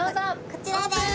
こちらです。